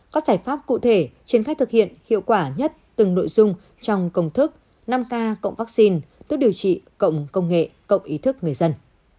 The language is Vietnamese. có giải pháp cụ thể triển khai thực hiện hiệu quả nhất từng nội dung trong công thức năm k cộng vaccine tu điều trị cộng công nghệ cộng ý thức người dân